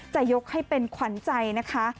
จะยกให้เป็นขวัญใจนะคะ